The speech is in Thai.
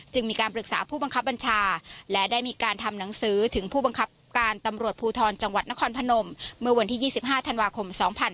มีการปรึกษาผู้บังคับบัญชาและได้มีการทำหนังสือถึงผู้บังคับการตำรวจภูทรจังหวัดนครพนมเมื่อวันที่๒๕ธันวาคม๒๕๕๙